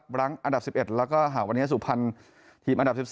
บรังอันดับ๑๑แล้วก็หาวันนี้สู่พันธุ์ทีมอันดับ๑๔